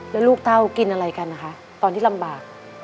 แล้วลูกเต้ากินอะไรกันนะคะตอนที่ลำบาก